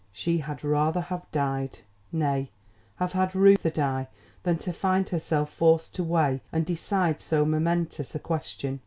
She had rather have died, nay, have had Reuther die than to find herself forced to weigh and decide so momentous a question.